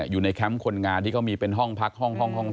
แคมป์คนงานที่เขามีเป็นห้องพักห้อง